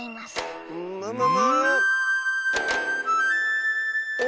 むむむっ